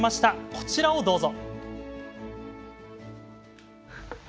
こちらをどうぞ！